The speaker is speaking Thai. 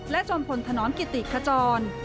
และจอมพลธนรกิติขจร